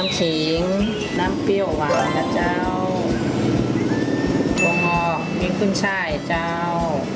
น้ำขิงน้ำเปรี้ยวหวานกับเจ้าตัวงอกมีขึ้นไส้เจ้า